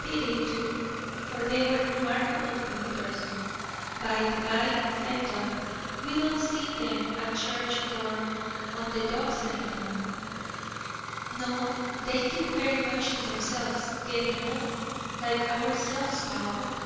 Pity, too, for they were remarkable builders. By the by, Fenton, we don't see them at church or on the docks any more." "No, they keep very much to themselves; getting old, like ourselves, Talbot."